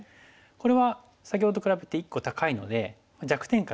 これは先ほどと比べて１個高いので弱点からいきますと。